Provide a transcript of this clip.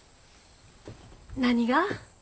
何が？